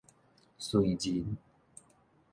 燧人